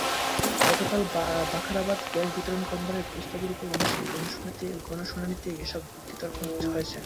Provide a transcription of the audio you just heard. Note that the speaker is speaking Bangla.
গতকাল বাখরাবাদ গ্যাস বিতরণ কোম্পানির প্রস্তাবের ওপর অনুষ্ঠিত গণশুনানিতেই এসব যুক্তি-তর্ক হয়েছে।